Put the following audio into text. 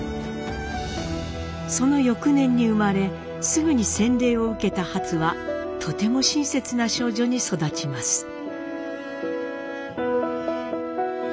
その翌年に生まれすぐに洗礼を受けたハツはとても親切な少女に育ちます。